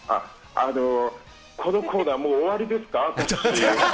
このコーナー、もう終わりですか？